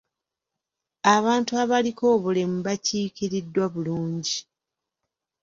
Abantu abaliko obulemu bakiikiriddwa bulungi.